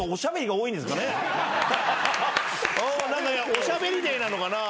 おしゃべりデーなのかな。